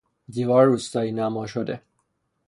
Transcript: دیوار روستایینما شده